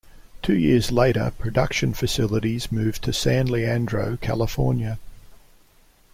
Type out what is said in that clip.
Two years later, production facilities moved to San Leandro, California.